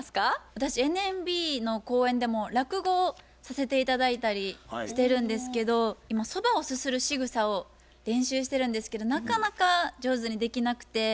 私ＮＭＢの公演でも落語をさせて頂いたりしてるんですけど今そばをすするしぐさを練習してるんですけどなかなか上手にできなくて。